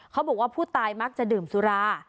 เขาบอกว่าผู้ตายมักจะดื่มสุรา